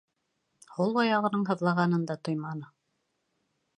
Һул аяғының һыҙлағанын да тойманы.